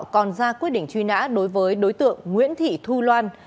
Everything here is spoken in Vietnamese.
còn ra quyết định truy nã đối với đối tượng nguyễn thị thu loan